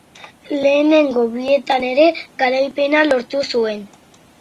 Lehenengo bietan ere garipena lortu zuen.